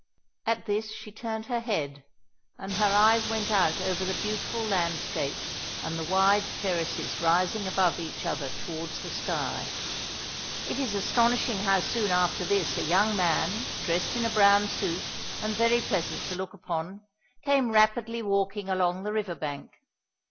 At this she turned her head, and her eyes went out over the beautiful landscape and the wide terraces rising above each other towards the sky. It is astonishing how soon after this a young man, dressed in a brown suit, and very pleasant to look upon, came rapidly walking along the river bank.